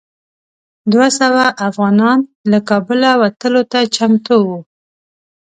دوه سوه افغانان له کابله وتلو ته چمتو وو.